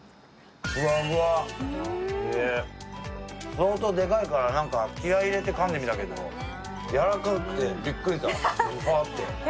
相当でかいから気合いを入れてかんでみたけど、柔らかくてびっくりした。